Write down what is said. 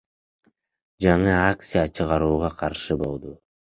жаңы акция чыгарууга каршы болду.